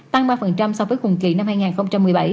tăng ba so với cùng kỳ năm hai nghìn một mươi bảy